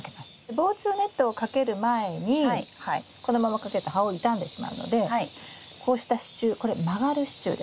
防虫ネットをかける前にこのままかけると葉を傷んでしまうのでこうした支柱これ曲がる支柱です。